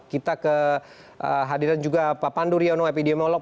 kita ke hadirin juga pak pandu riano epidemiologi